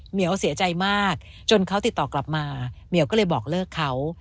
เหี่ยวเสียใจมากจนเขาติดต่อกลับมาเหมียวก็เลยบอกเลิกเขา